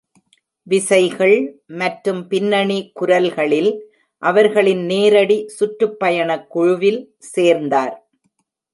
விசைகள் மற்றும் பின்னணி குரல்களில் அவர்களின் நேரடி சுற்றுப்பயண குழுவில் சேர்ந்தார்.